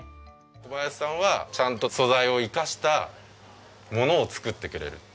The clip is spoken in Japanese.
小林さんはちゃんと素材を生かしたものを作ってくれる。